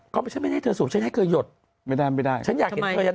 ก็ไม่ใช่ไม่ได้ให้เธอสูงใช่ให้เธอหยดไม่ได้ไม่ได้ฉันอยากเห็นเธอยันตา